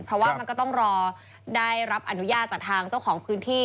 เพราะว่ามันก็ต้องรอได้รับอนุญาตจากทางเจ้าของพื้นที่